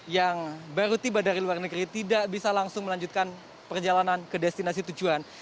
yang baru tiba dari luar negeri tidak bisa langsung melanjutkan perjalanan ke destinasi tujuan